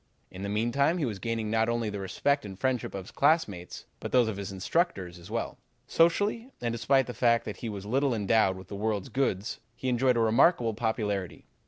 In the meantime he was gaining not only the respect and friendship of his classmates, but those of the instructors as well. Socially, and despite the fact that he was little endowed with this world's goods, he enjoyed a remarkable popularity.